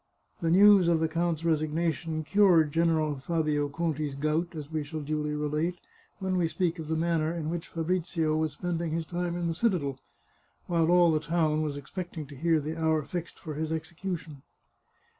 The news of the count's resignation cured General Fabio Conti's gout, as we shall duly relate, when we speak of the manner in which Fabrizio was spending his time in the citadel, while all the town was expecting to hear the hour fixed for his execution.